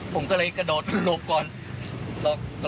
ผมก็เลยกระโดดหลบก่อน